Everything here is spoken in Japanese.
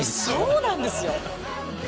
そうなんですよ。